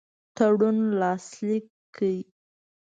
تړون لاسلیک کړ.